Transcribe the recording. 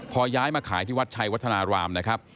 พอย้ายมาขายที่วัดชัยวัฒนารามนะครับ